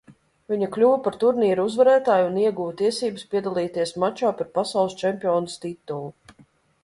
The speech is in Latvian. Viņa kļuva par turnīra uzvarētāju un ieguva tiesības piedalīties mačā par pasaules čempiones titulu.